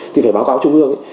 thì phải báo cáo trung ương